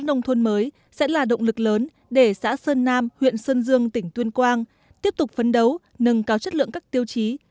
nông thôn mới sẽ là động lực lớn để xã sơn nam huyện sơn dương tỉnh tuyên quang tiếp tục phấn đấu nâng cao chất lượng các tiêu chí